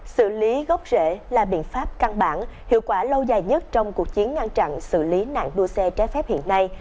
xử lý gốc rễ là biện pháp căn bản hiệu quả lâu dài nhất trong cuộc chiến ngăn chặn xử lý nạn đua xe trái phép hiện nay